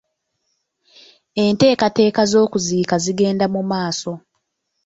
Enteekateeka z'okuziika zigenda mu maaso.